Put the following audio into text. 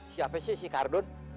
siapa sih sikardun